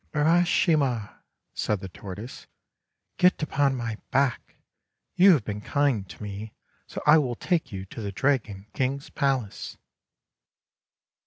* Urashima," said the Tortoise, <:'get upon my back. You have been kind to me, so I will take you to the Dragon King's palace."